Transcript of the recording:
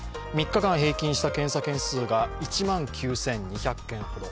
３日間平均した検査件数が、１万９２００件ほど。